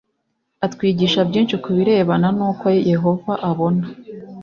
atwigisha byinshi ku birebana n uko yehova abona